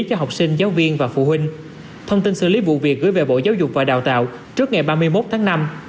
cho học sinh giáo viên và phụ huynh thông tin xử lý vụ việc gửi về bộ giáo dục và đào tạo trước ngày ba mươi một tháng năm